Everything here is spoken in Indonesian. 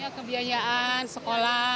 ya kebelahan kebiayaan sekolah